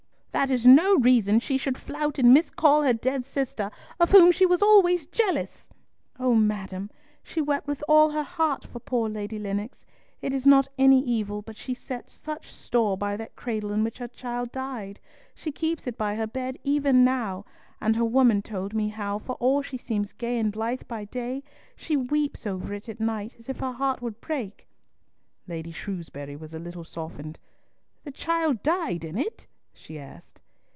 "That is no reason she should flout and miscall her dead sister, of whom she was always jealous!" "O madam, she wept with all her heart for poor Lady Lennox. It is not any evil, but she sets such store by that cradle in which her child died—she keeps it by her bed even now, and her woman told me how, for all she seems gay and blithe by day, she weeps over it at night, as if her heart would break." Lady Shrewsbury was a little softened. "The child died in it?" she asked.